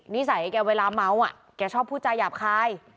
นิสัยเกี่ยวเวลาเมาท์อะเกี่ยวชอบพูดใจหยาบคาย